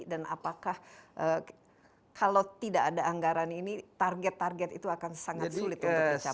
dan apakah kalau tidak ada anggaran ini target target itu akan sangat sulit untuk dicapai